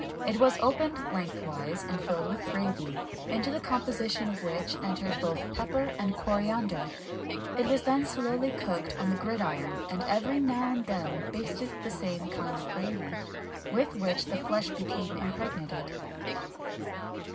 It was opened lengthwise, and filled with a gravy, into the composition of which entered both pepper and coriander. It was then slowly cooked on the gridiron, and every now and then basted with the same kind of gravy, with which the flesh became impregnated.